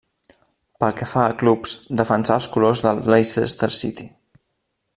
Pel que fa a clubs, defensà els colors de Leicester City.